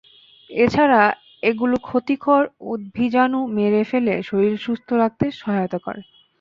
এ ছাড়া এগুলো ক্ষতিকর উদ্ভিজ্জাণু মেরে ফেলে শরীর সুস্থ রাখতে সহায়তা করে।